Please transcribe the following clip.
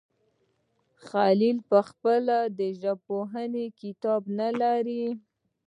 خلیل پخپله د ژبپوهنې کتاب نه لري.